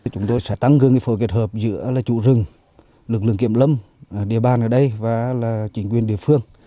chúng tôi sẽ tăng cường phồ kết hợp giữa chủ rừng lực lượng kiểm lâm địa bàn ở đây và chính quyền địa phương